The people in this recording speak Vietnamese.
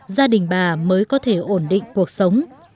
gia đình bà mới có thể ổn định cuộc sống